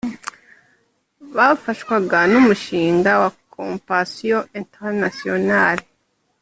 bafashwaga n’umushinga wa Compassion Internationale